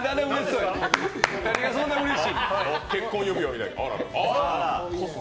何がそんなにうれしいの？